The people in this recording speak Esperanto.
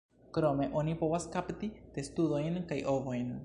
Krome, oni povas kapti testudojn kaj ovojn.